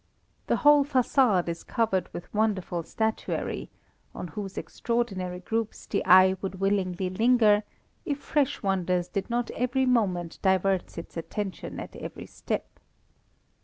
The whole façade is covered with wonderful statuary on whose extraordinary groups the eye would willingly linger, if fresh wonders did not every moment divert its attention at every step.